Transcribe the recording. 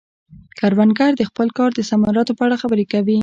کروندګر د خپل کار د ثمراتو په اړه خبرې کوي